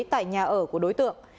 tại nhà ở của đối tượng